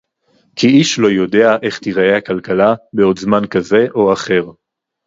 כי איש לא יודע איך תיראה הכלכלה בעוד זמן כזה או אחר